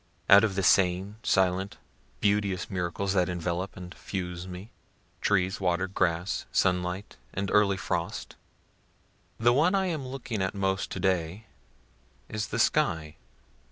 Out of the sane, silent, beauteous miracles that envelope and fuse me trees, water, grass, sunlight, and early frost the one I am looking at most to day is the sky.